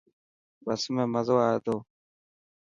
بس ۾ مزو آئي تو.